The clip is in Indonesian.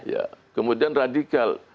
ya kemudian radikal